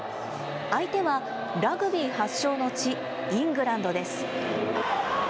相手はラグビー発祥の地、イングランドです。